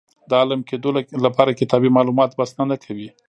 د عالم کېدو لپاره کتابي معلومات بسنه نه کوي.